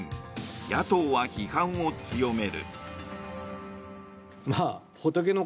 野党は批判を強める。